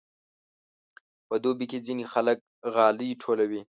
په دوبي کې ځینې خلک غالۍ ټولوي.